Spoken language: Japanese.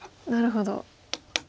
なるほど。